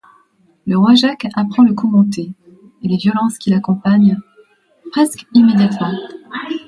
Le roi Jacques apprend le coup monté et les violences qui l'accompagnent presque immédiatement.